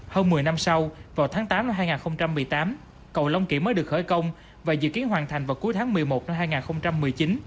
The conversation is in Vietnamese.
hơn một mươi năm sau vào tháng tám năm hai nghìn một mươi tám cầu long kiể mới được khởi công và dự kiến hoàn thành vào cuối tháng một mươi một năm hai nghìn một mươi chín